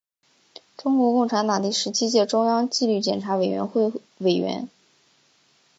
中国共产党第十七届中央纪律检查委员会委员。